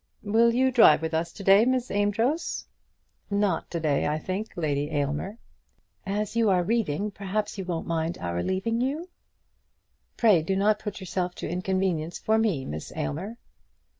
"Will you drive with us to day, Miss Amedroz?" "Not to day, I think, Lady Aylmer." "As you are reading, perhaps you won't mind our leaving you?" "Pray do not put yourself to inconvenience for me, Miss Aylmer."